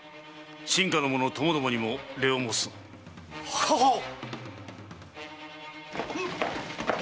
臣下の者ともどもにも礼を申すぞ。ははーっ。